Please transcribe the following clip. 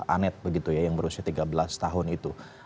anet begitu ya yang berusia tiga belas tahun itu